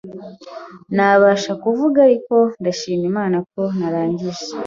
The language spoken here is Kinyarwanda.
ntabasha kuvuga ariko ndashima Imana ko narangije